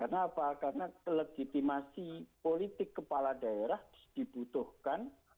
karena apa karena kelegitimasi politik kepala daerah dibutuhkan